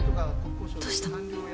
どうしたの？